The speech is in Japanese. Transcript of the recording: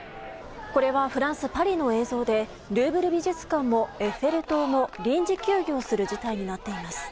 これはフランス・パリの映像でルーブル美術館もエッフェル塔も臨時休業する事態になっています。